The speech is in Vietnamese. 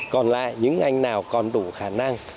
còn những anh nào còn đủ khả năng